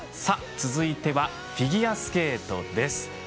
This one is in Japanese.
続いてはフィギュアスケートです。